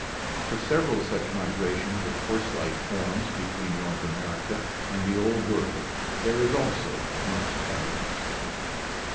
For several such migrations of horse like forms between North America and the Old World there is also much evidence.